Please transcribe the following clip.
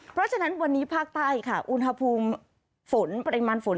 เพราะฉะนั้นวันนี้ภาคใต้ค่ะอุณหภูมิฝนปริมาณฝน